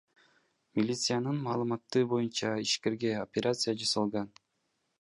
Милициянын маалыматы боюнча, ишкерге операция жасалган.